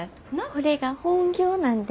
これが本業なんで。